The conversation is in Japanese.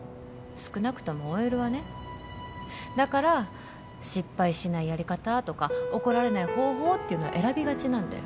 少なくともＯＬはねだから失敗しないやり方とか怒られない方法っていうのを選びがちなんだよ